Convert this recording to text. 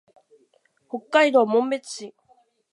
北海道紋別市